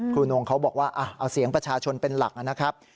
นงเขาบอกว่าเอาเสียงประชาชนเป็นหลักนะครับ